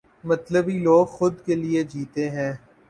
مطلبی لوگ خود کے لئے جیتے ہیں۔